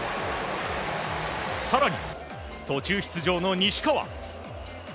更に、途中出場の西川。